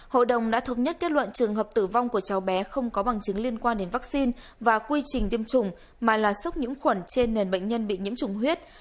hội đồng đã thống nhất kết luận trường hợp tử vong của cháu bé không có bằng chứng liên quan đến vaccine và quy trình tiêm chủng mà là sốc nhiễm khuẩn trên nền bệnh nhân bị nhiễm chủng huyết